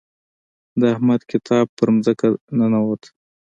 د احمد کتاب په ځمکه ننوت.